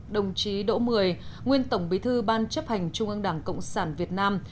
đồng chí đỗ mười nguyên tổng bí thư ban chấp hành trung ương đảng cộng sản việt nam